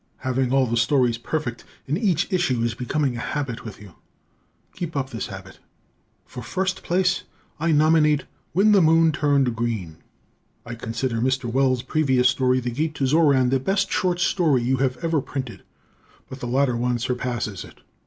Having all the stories perfect in each issue is becoming a habit with you. Keep up this habit. For first place I nominate "When the Moon Turned Green." I considered Mr. Wells' previous story, "The Gate to Xoran" the best short story you had ever printed, but the later one surpasses it.